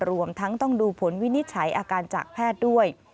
รวมทั้งต้องดูผลวินิจฉัยอาการจากแพทย์ด้วย